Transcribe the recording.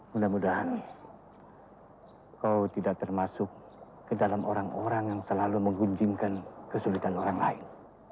mudah mudahan kau tidak termasuk ke dalam orang orang yang selalu menggunjingkan kesulitan orang lain